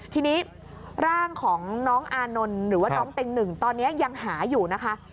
ทีนี้ร่างของน้องอานนท์หรือว่าน้องเต็งหนึ่งตอนนี้ยังหาอยู่นะคะ